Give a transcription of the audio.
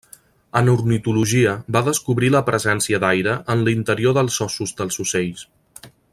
En ornitologia, va descobrir la presència d'aire en l'interior dels ossos dels ocells.